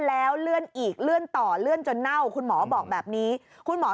ข่าวสุขภาพนะการเมืองจบไปแล้ว